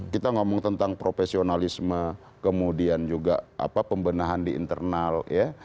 kita ngomong tentang profesionalisme kemudian juga pembenahan di internal ya